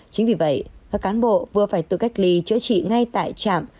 chính vì vậy các cán bộ vừa phải tự cách ly chữa trị ngay tại trạm